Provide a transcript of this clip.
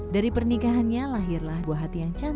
ya ini adalah suatu kebahagiaan